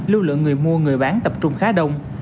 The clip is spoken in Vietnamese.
lưu lượng người mua người bán tập trung khá đông